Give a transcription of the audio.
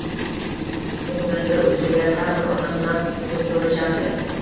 U yo`lida uchragan har bir odam bilan quyuq so`rashardi